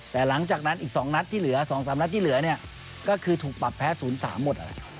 แต่หลังจากนั้นอีก๒๓นัดที่เหลือเนี่ยก็คือถูกปรับแพ้๐๓หมดอะแหละ